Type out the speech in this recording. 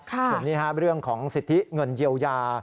ส่วนนี้เรื่องของสิทธิเงินเยียวยา